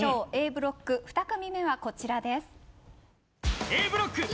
Ａブロック２組目はこちらです。